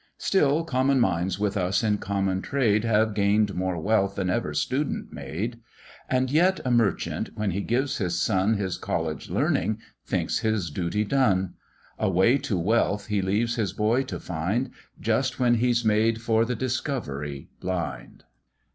Still common minds with us in common trade, Have gain'd more wealth than ever student made; And yet a merchant, when he gives his son His college learning, thinks his duty done; A way to wealth he leaves his boy to find, Just when he's made for the discovery blind.